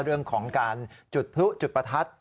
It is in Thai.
เรื่องของการจุดพลุจุดประทัด